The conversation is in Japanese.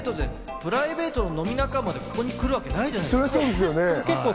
プライベートの飲み仲間がここに来るわけないじゃないですか。